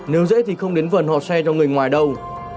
nếu dễ thì không đến phần họ share cho người ngoài đâu